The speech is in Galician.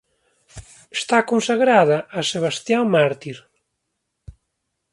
Está consagrada a Sebastián mártir.